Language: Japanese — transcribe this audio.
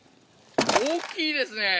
大きいですね。